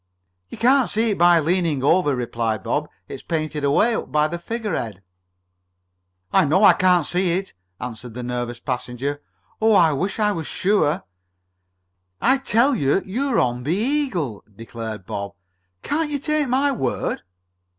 "You can't see it by leaning over," replied Bob. "It's painted away up by the figurehead." "I know I can't see it," answered the nervous passenger. "Oh, I wish I was sure." "I tell you you're on the Eagle," declared Bob. "Can't you take my word?"